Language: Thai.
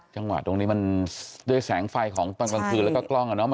จังหวะตรงนี้มันด้วยแสงไฟของตอนกลางคืนแล้วก็กล้องอ่ะเนาะ